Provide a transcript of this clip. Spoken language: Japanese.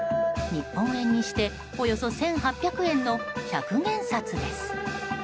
日本円にしておよそ１８００円の百元札です。